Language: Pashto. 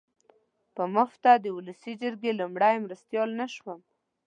په مفته د اولسي جرګې لومړی مرستیال نه شوم.